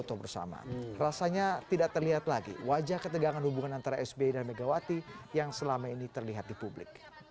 terima kasih sekali lagi